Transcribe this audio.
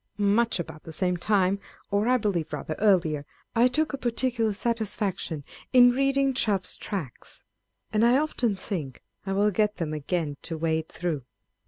Much about the same time, or I believe rather earlier, I took a particular satisfaction in reading Chubb's Tracts,1 and I often think I will get them again to wade through.